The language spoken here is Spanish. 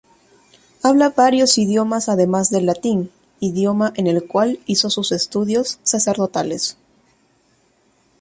Habla varios idiomas además del latín, idioma en el cual hizo sus estudios sacerdotales.